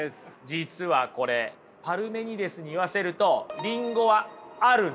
実はこれパルメニデスに言わせるとリンゴはあるんです。